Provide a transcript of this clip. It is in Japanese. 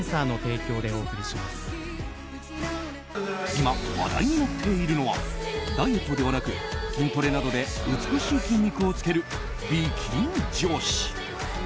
今、話題になっているのはダイエットではなく筋トレなどで美しい筋肉をつける美筋女子。